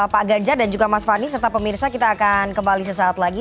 pak ganjar dan juga mas fani serta pemirsa kita akan kembali sesaat lagi